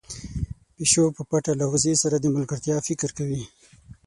پيشو په پټه له وزې سره د ملګرتيا فکر کوي.